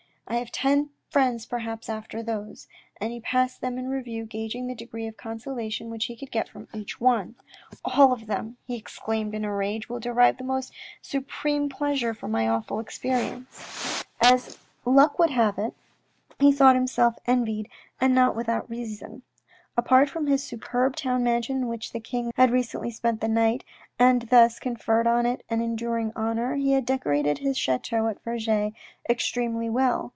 " I have ten friends perhaps after those," and he passed them in review, gauging the degree of consolation which he could get from each one. " All of them, all of them," he exclaimed in a rage, " will derive the most supreme pleasure from my awful experience." As luck would have it, he thought himself envied, and not without reason. Apart from his superb town mansion in which the king of had recently spent the night, and thus conferred on it an enduring honour, he had decorated his chateau at Vergy extremely well.